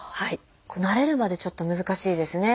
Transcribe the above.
慣れるまでちょっと難しいですね。